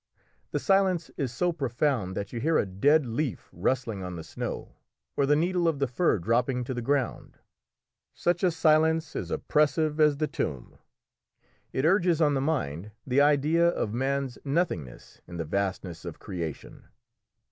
The silence is so profound that you hear a dead leaf rustling on the snow, or the needle of the fir dropping to the ground. Such a silence is oppressive as the tomb; it urges on the mind the idea of man's nothingness in the vastness of creation.